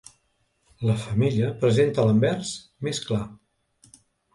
La femella presenta l'anvers més clar.